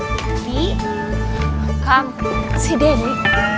ini makan si denny